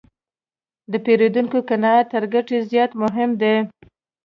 د پیرودونکي قناعت تر ګټې زیات مهم دی.